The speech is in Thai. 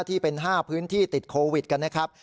ที่เป็น๕พื้นที่ติดโควิดกันนะครับ